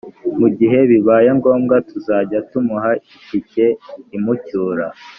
mu gihe bibaye ngombwa tuzajya tumuha itike imucyura